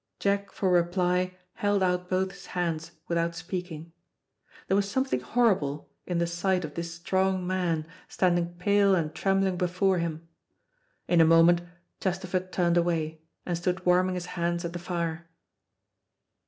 Jack for reply held out both his hands without speaking. There was something horrible in the sight of this strong man standing pale and trembling before him. In a moment Chesterford turned away, and stood warming his hands at the fire.